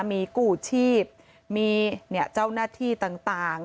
มีกู้ชีพมีเจ้าหน้าที่ต่าง